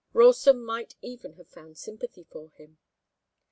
Ralston might even have found sympathy for him.